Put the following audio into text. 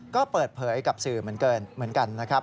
ก็เปิดเผยกับสื่อเหมือนกันนะครับ